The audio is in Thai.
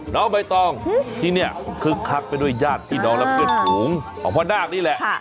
น้องใบตองที่นี่คึกคักไปด้วยญาติพี่น้องและเพื่อนฝูงของพ่อนาคนี่แหละ